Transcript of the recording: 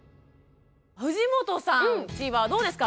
藤本さんちはどうですか？